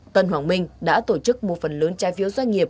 tân hoàng minh đã tổ chức một phần lớn trái phiếu doanh nghiệp